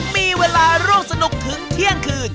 มีเวลาร่วมสนุกถึงเที่ยงคืน